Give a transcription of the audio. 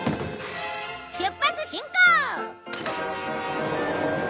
出発進行！